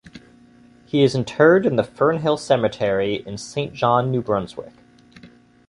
He is interred in the Fernhill Cemetery in Saint John, New Brunswick.